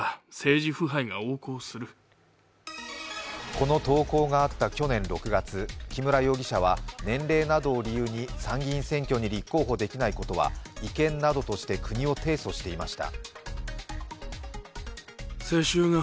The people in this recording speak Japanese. この投稿があった去年６月、木村容疑者は年齢などを理由に参議院選挙に立候補できないことは違憲などとして国を提訴していました。